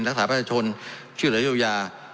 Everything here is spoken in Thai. และสานและหัวชนชื่อและโดยซูมี่ยา